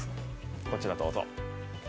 こちら、どうぞ。